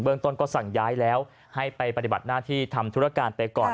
ต้นก็สั่งย้ายแล้วให้ไปปฏิบัติหน้าที่ทำธุรการไปก่อน